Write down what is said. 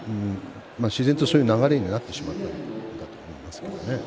自然とそういう流れになってしまったんですけどね。